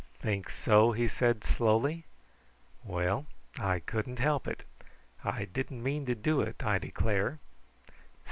"Think so?" he said slowly. "Well, I couldn't help it. I didn't mean to do it, I declare."